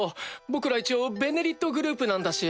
僕ら一応「ベネリット」グループなんだし。